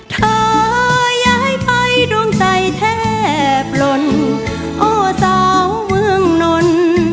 เธอย้ายไปดวงใจแทบปลนโอ้สาวเมืองนน